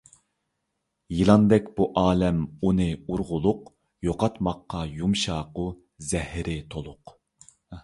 يىلاندەك بۇ ئالەم ئۇنى ئۇرغۇلۇق، يوقاتماققا يۇمشاقۇ، زەھىرى تولۇق.